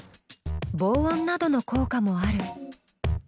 防音などの効果もある。